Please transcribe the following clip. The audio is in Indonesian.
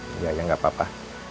ya ya gak papa